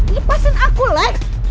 lepasin aku lex